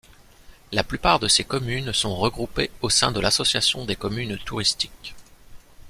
La plupart de ces communes sont regroupées au sein de l'association des communes touristiques.